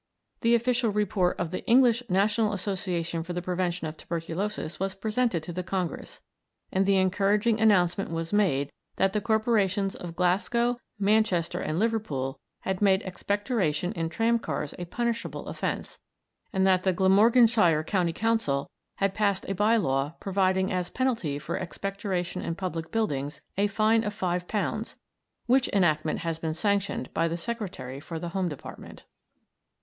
The official report of the English National Association for the Prevention of Tuberculosis was presented to the Congress, and the encouraging announcement was made that the Corporations of Glasgow, Manchester, and Liverpool had made expectoration in tramcars a punishable offence; and that the Glamorganshire County Council had passed a bye law providing as penalty for expectoration in public buildings a fine of £5, which enactment had been sanctioned by the Secretary for the Home Department.